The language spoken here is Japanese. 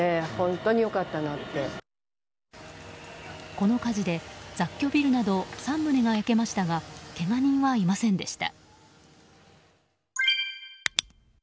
この火事で雑居ビルなど３棟が焼けましたがけが人はいませんでした。